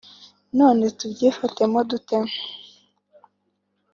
none tubyifatemo dute